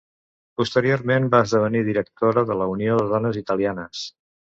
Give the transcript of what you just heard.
Posteriorment va esdevenir directora de la Unió de Dones Italianes.